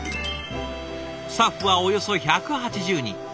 スタッフはおよそ１８０人。